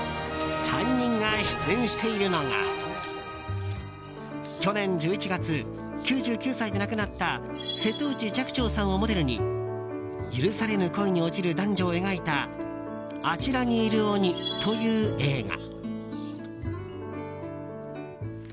３人が出演しているのが去年１１月９９歳で亡くなった瀬戸内寂聴さんをモデルに許されぬ恋に落ちる男女を描いた「あちらにいる鬼」という映画。